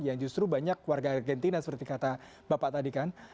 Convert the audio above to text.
yang justru banyak warga argentina seperti kata bapak tadi kan